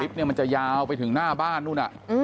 ลิฟท์มันจะยาวไปถึงหน้าบ้านนู่นน่ะ